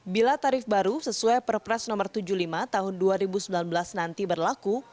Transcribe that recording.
bila tarif baru sesuai perpres nomor tujuh puluh lima tahun dua ribu sembilan belas nanti berlaku